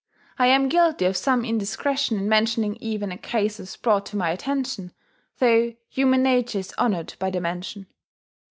I am guilty of some indiscretion in mentioning even the cases brought to my attention though human nature is honoured by the mention....